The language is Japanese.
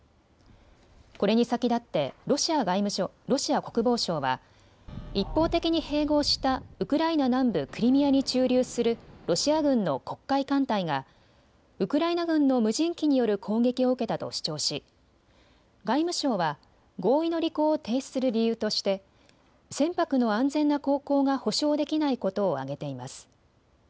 これに先立ってロシア国防省は一方的に併合したウクライナ南部クリミアに駐留するロシア軍の黒海艦隊がウクライナ軍の無人機による攻撃を受けたと主張し外務省は合意の履行を停止する理由として船舶の安全な航行が保証できないことを挙げています。